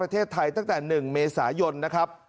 ประเทศไทยตั้งแต่๑เมษายนนะครับ